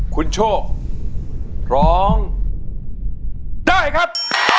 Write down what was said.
คุณโชคร้องได้ครับ